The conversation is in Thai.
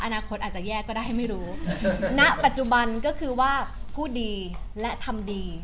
อนาคตอาจจะแยกก็ได้ไม่รู้ณปัจจุบันก็คือว่าพูดดีและทำดี